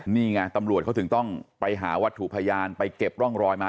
นี่ไงตำรวจเขาถึงต้องไปหาวัตถุพยานไปเก็บร่องรอยมา